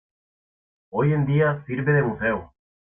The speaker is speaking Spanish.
Hoy en día sirve de museo.